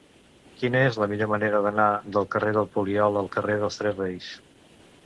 Quina és la millor manera d'anar del carrer del Poliol al carrer dels Tres Reis?